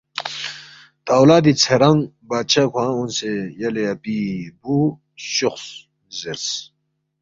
تا اولادی ژھرانگ بادشاہ کھوانگ اونگسے یلے اپی بُو شوخس زیرس